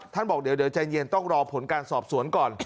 บอกเดี๋ยวใจเย็นต้องรอผลการสอบสวนก่อน